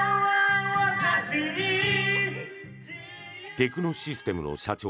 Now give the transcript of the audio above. テクノシステム社長